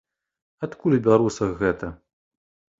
Адкуль у беларусах гэта?